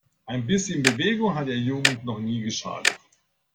Ein bisschen Bewegung hat der Jugend noch nie geschadet!